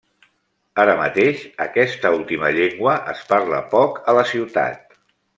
Ara mateix, aquesta última llengua es parla poc a la ciutat.